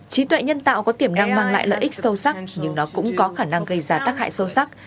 trí tuệ nhân tạo có tiềm năng mang lại lợi ích sâu sắc nhưng nó cũng có khả năng gây ra tác hại sâu sắc